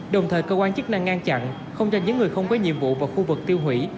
đồng thời cơ quan chức năng ngăn chặn không cho những người không có nhiệm vụ vào khu vực tiêu hủy